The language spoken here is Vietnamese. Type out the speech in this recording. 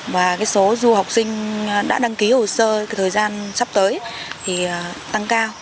và cái số du học sinh đã đăng ký hồ sơ thời gian sắp tới thì tăng cao